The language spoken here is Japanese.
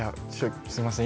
すみません